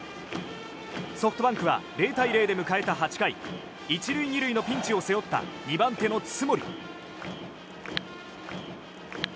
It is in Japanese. ソフトバンクは０対０で迎えた８回１塁２塁のピンチを背負った２番手の津森。